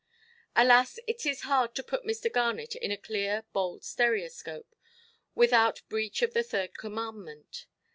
Alas, it is hard to put Mr. Garnet in a clear, bold stereoscope, without breach of the third commandment.